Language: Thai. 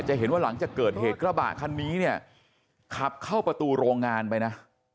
เห็นว่าหลังจากเกิดเหตุกระบะคันนี้เนี่ยขับเข้าประตูโรงงานไปนะ